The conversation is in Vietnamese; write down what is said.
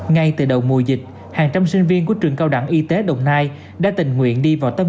ngay từ đầu mùa dịch hàng trăm sinh viên của trường cao đẳng y tế đồng nai đã tình nguyện đi vào tâm